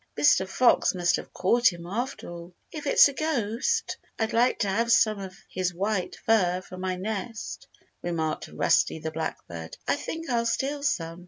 Mr. Fox must have caught him after all." "If it's a ghost, I'd like to have some of his white fur for my nest," remarked Rusty the Blackbird. "I think I'll steal some."